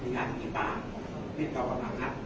แต่ว่าไม่มีปรากฏว่าถ้าเกิดคนให้ยาที่๓๑